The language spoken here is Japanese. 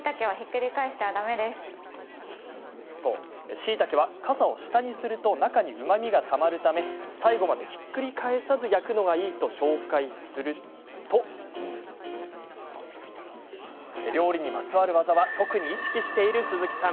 しいたけは、かさを下にすると中にうまみがたまるため最後までひっくり返さず焼くのがいいと紹介すると料理にまつわるワザは特に意識している鈴木さん。